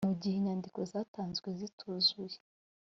mu gihe inyandiko zatanzwe zituzuye